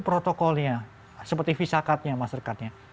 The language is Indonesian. protokolnya seperti visa card nya master card nya